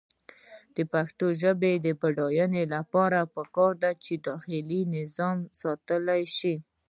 د پښتو ژبې د بډاینې لپاره پکار ده چې داخلي نظام ساتل شي.